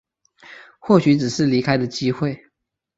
或许只是离开的机会